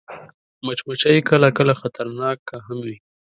مچمچۍ کله کله خطرناکه هم وي